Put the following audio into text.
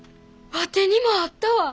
ワテにもあったわ！